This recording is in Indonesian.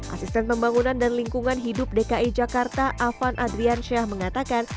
asisten pembangunan dan lingkungan hidup dki jakarta afan adrian syah mengatakan